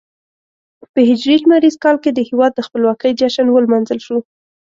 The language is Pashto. په هجري لمریز کال کې د هېواد د خپلواکۍ جشن ولمانځل شو.